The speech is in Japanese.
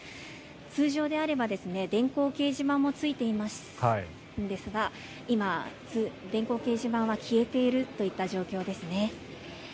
通常であれば電光掲示板もついているんですが今、電光掲示板は消えているといった状況ですね。